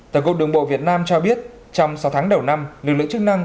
tổng cục đường bộ việt nam cho biết trong sáu tháng đầu năm lực lượng chức năng